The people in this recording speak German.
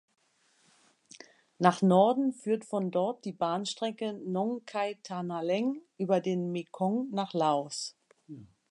Nach Norden führt von dort die Bahnstrecke Nong Khai–Thanaleng über den Mekong nach Laos.